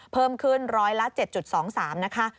เพิ่มขึ้นร้อยละ๗๒๓นะคะ